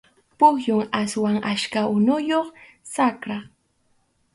Pukyum aswan achka unuyuq, saqrap.